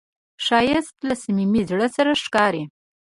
ښایست له صمیمي زړه سره ښکاري